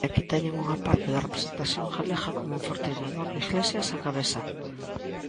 E aquí teñen unha parte da representación galega co monfortino Eduardo Iglesias á cabeza.